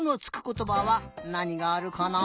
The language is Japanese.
ことばはなにがあるかな？